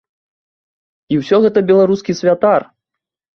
І ўсё гэта беларускі святар!